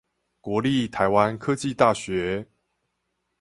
國立臺灣科技大學